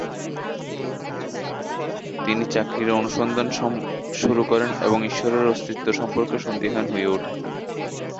তিনি চাকরির অনুসন্ধান শুরু করেন এবং ঈশ্বরের অস্তিত্ব সম্পর্কে সন্দিহান হয়ে ওঠেন।